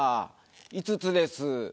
「５つです」。